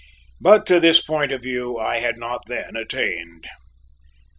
But to this point of view I had not then attained.